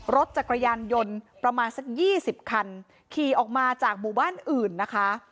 รถจักรยานยนต์ประมาณสักยี่สิบคันขี่ออกมาจากหมู่บ้านอื่นนะคะ